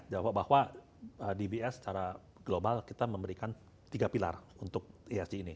bahwa dbs secara global kita memberikan tiga pilar untuk esg ini